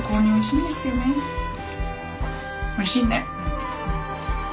おいしいね。